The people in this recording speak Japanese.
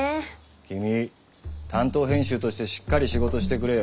君担当編集としてしっかり仕事してくれよ。